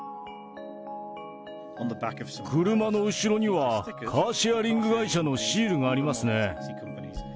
車の後ろには、カーシェアリング会社のシールがありますね。